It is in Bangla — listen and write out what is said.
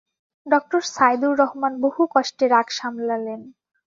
ডঃ সাইদুর রহমান বহু কষ্টে রাগ সামলালেন।